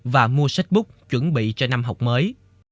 và mua sách bút chuẩn bị cho năm học mới